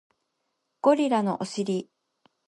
ゴリラのお尻